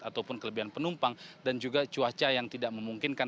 ataupun kelebihan penumpang dan juga cuaca yang tidak memungkinkan